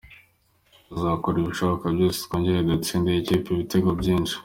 Tuzakora ibishoboka byose twongere dutsinde iyi kipe ibitego byinshi.